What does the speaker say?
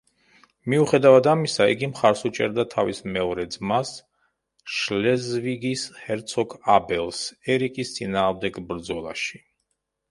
მიუხედავად ამისა, იგი მხარს უჭერდა თავის მეორე ძმას, შლეზვიგის ჰერცოგ აბელს ერიკის წინააღმდეგ ბრძოლაში.